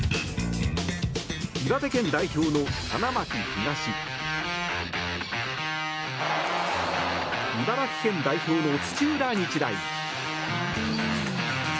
岩手県代表の花巻東茨城県代表の土浦日大